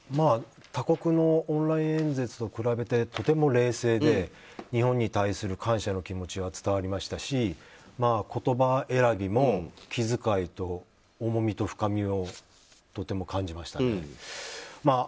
他国のオンライン演説と比べてとても冷静で日本に対する感謝の気持ちが伝わりましたし、言葉選びも気遣いと重みと深みをとても感じました。